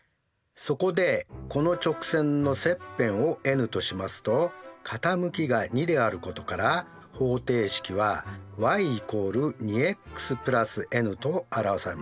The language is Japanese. そこでこの直線の切片をｎとしますと傾きが２であることから方程式はｙ＝２ｘ＋ｎと表されます。